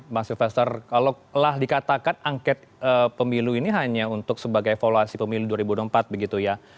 mas silvester kalau lah dikatakan angket pemilu ini hanya untuk sebagai evaluasi pemilu dua ribu empat begitu ya